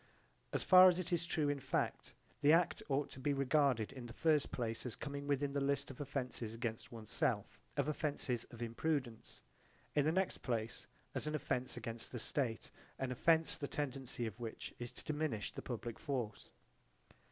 As far as it is true in fact, the act ought to be regarded in the first place as coming within the list of offences against one's self, of offences of imprudence: in the next place, as an offence against the state, an offence the tendency of which is to diminish the public force.